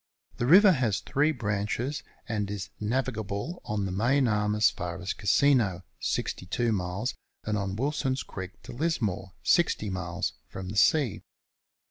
The river has three branches, and is navigable on the main arm as far as Casino, 62 miles, and on Wilson's Creek to Lismore, 60 miles, from the sea.